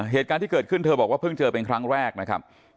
เหตุการณ์ที่เกิดขึ้นเธอบอกว่าเพิ่งเจอเป็นครั้งแรกนะครับ